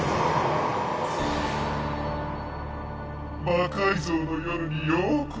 「魔改造の夜」にようこそ。